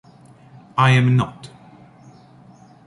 I am not.